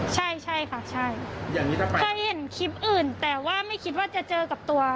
ใช่ก็ใช่ยังงี้เค้าไปเคยเห็นคลิปอื่นแต่ว่าไม่คิดว่าจะเจอกับตัว